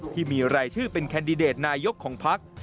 ที่มีรายชื่อเป็นแคนดิเดตนายกของพัก